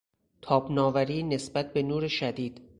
تاب ناوری نسبت به نور شدید